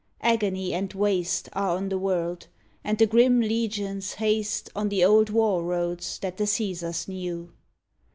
Agony and waste Are on the world, and the grim legions haste On the old war roads that the Caesars knew.